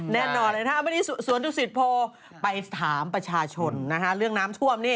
แน่นอนเลยนะอันนี้ศวรรษสิทธิพ่อไปถามประชาชนนะคะเรื่องน้ำท่วมนี่